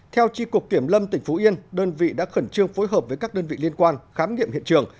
theo tri cục kiểm lâm tỉnh phú yên đơn vị đã khẩn trương phối hợp với các đơn vị liên quan khám nghiệm hiện trường